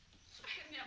bu sumi jangan berani